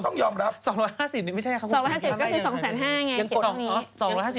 ๕๐ก็จะจะ๒๕๐๐นาทีไง